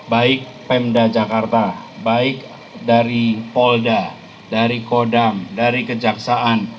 baik pemda jakarta baik dari polda dari kodam dari kejaksaan